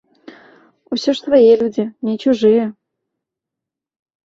Усё ж свае людзі, не чужыя.